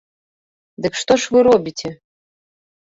Дык што ж вы робіце!